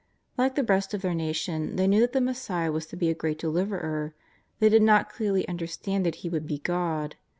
Like the rest of their nation they knew that the Messiah was to be a great Deliverer; they did not clearly understand that He would be God.